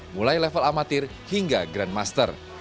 mulai level amatir hingga grandmaster